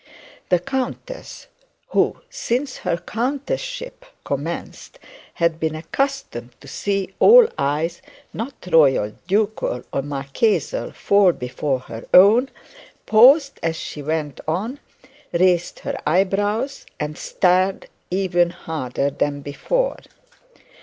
The countess who since her countess ship commenced had been accustomed to see all eyes, not royal, ducal, or marquesal, fall down before her own, paused as she went on, raised her eyebrows, and stared even harder than before.